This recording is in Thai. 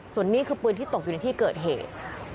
ส่วนนี้คือปืนที่ตกอยู่ในที่เกิดเหตุ